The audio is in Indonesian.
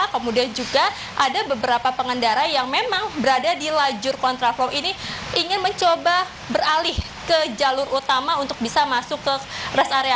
kemudian juga ada beberapa pengendara yang memang berada di lajur kontraflow ini ingin mencoba beralih ke jalur utama untuk bisa masuk ke rest area